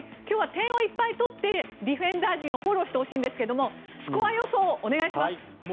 今日は点をいっぱい取ってディフェンダーをフォローしてほしいんですがスコア予想をお願いします。